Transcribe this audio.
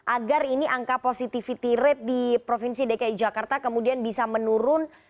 agar ini angka positivity rate di provinsi dki jakarta kemudian bisa menurun